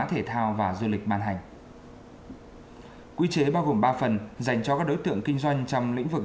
thể thao và du lịch ban hành quy chế bao gồm ba phần dành cho các đối tượng kinh doanh trong lĩnh vực